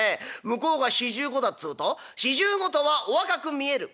向こうが４５だっつうと『４５とはお若く見える。